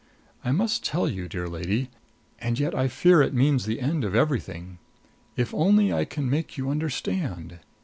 I must tell you, dear lady And yet I fear it means the end of everything. If only I can make you understand!